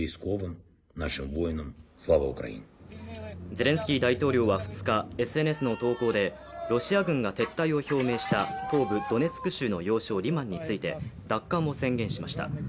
ゼレンスキー大統領は２日ＳＮＳの投稿でロシア軍が撤退を表明した東部ドネツク州の要衝リマンについて、奪還を宣言しました。